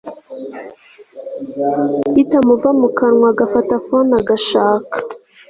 ritamuva mukanwa agafata phone agashaka